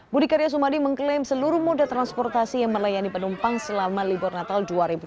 budi karya sumadi mengklaim seluruh moda transportasi yang melayani penumpang selama libur natal dua ribu delapan belas